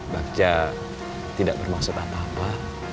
pak ja tidak bermaksud apa apa